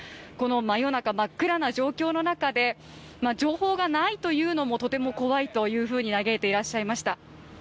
この真夜中真っ暗な状況の中で、情報がないというのもとても怖いというふうに嘆いていらっしゃいました。